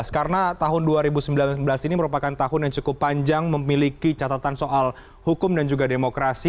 karena tahun dua ribu sembilan belas ini merupakan tahun yang cukup panjang memiliki catatan soal hukum dan juga demokrasi